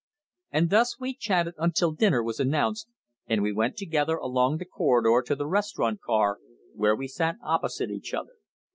And thus we chatted until dinner was announced, and we went together along the corridor to the restaurant car, where we sat opposite each other.